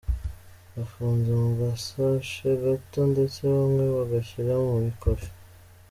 Gafunze mu gasashe gato ndetse bamwe bagashyira mu ikofi.